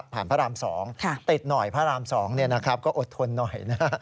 พระราม๒ติดหน่อยพระราม๒ก็อดทนหน่อยนะ